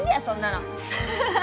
そんなの。